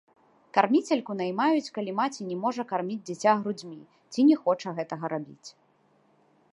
Карміцельку наймаюць калі маці не можа карміць дзіця грудзьмі ці не хоча гэтага рабіць.